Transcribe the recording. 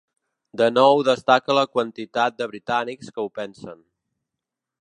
De nou destaca la quantitat de britànics que ho pensen.